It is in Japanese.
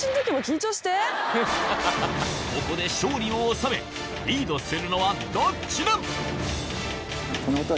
ここで勝利を収めリードするのはどっちだ？